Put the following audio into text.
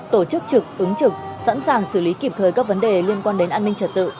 tổ chức trực ứng trực sẵn sàng xử lý kịp thời các vấn đề liên quan đến an ninh trật tự